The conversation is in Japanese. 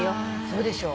そうでしょ。